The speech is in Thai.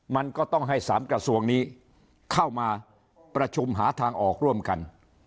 มันก็ต้องให้๓กระทรวงนี้เข้ามาประชุมหาทางออกร่วมกัน